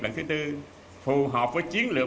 lần thứ tư phù hợp với chiến lược